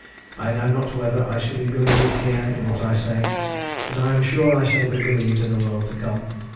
I know not whether I shall be believed here in what I say, but I am sure I shall be believed in the world to come.